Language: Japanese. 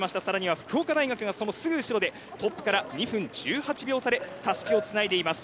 福岡大学がすぐ後ろでトップから２分１８秒差でたすきをつないでいます。